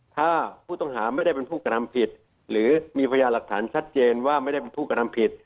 ถ้าผู้ต้องหาไม่ได้เป็นผู้กระทำผิดหรือมีพยานหลักฐานชัดเจนว่าไม่ได้เป็นผู้กระทำผิด